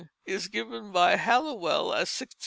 is given by Halliwell as 1633.